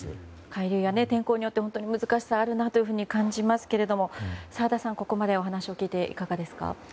海流や天候によって難しさあるなと感じますけど澤田さん、ここまで話を聞いていかがですか？